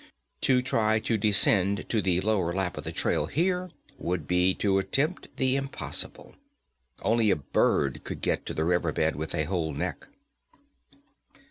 To try to descend to the lower lap of the trail here would be to attempt the impossible. Only a bird could get to the river bed with a whole neck.